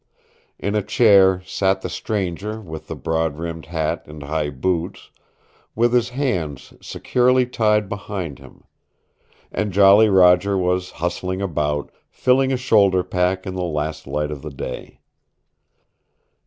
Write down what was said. In a chair sat the stranger with the broad brimmed hat and high boots, with his hands securely tied behind him. And Jolly Roger was hustling about, filling a shoulder pack in the last light of the day.